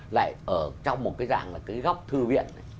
lại ở trong một cái dạng là cái góc thư viện ấy